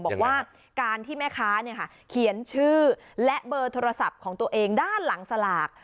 บอกว่าการที่แม่ค้าเขียนชื่อและเบอร์โทรศัพท์ของตัวเองด้านหลังสลาก